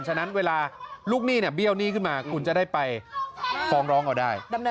ฉะนั้นเวลาลูกหนี้เบี้ยวหนี้ขึ้นมาคุณจะได้ไปฟ้องร้องเอาได้